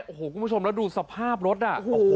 โอ้โหคุณผู้ชมแล้วดูสภาพรถ